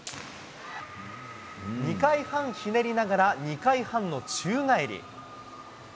２回半ひねりながら、２回半の宙返り。